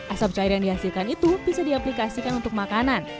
asap cair yang dihasilkan itu bisa diaplikasikan untuk makanan